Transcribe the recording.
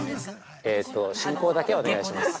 ◆えーっと進行だけはお願いします。